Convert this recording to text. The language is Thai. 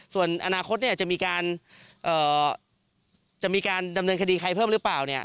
ส่วนอนาคตจะมีการจะมีการดำเนินคดีใครเพิ่มหรือเปล่าเนี่ย